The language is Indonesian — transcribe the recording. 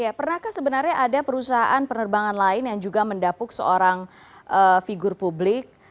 ya pernahkah sebenarnya ada perusahaan penerbangan lain yang juga mendapuk seorang figur publik